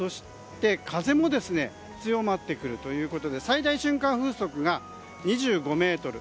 風も強まってくるということで最大瞬間風速が２５メートル。